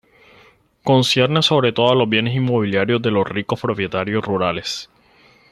Concierne sobre todo a los bienes inmobiliarios de los ricos propietarios rurales.